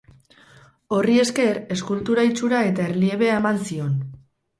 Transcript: Horri esker eskultura itxura eta erliebea eman zion.